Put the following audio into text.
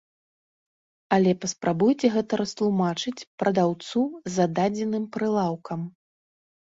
Але паспрабуйце гэта растлумачыць прадаўцу за дадзеным прылаўкам.